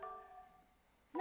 何？